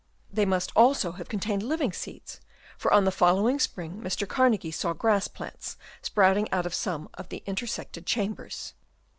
They must also have contained living seeds, for on the follow ing spring Mr. Carnagie saw grass plants sprouting out of some of the intersected chambers.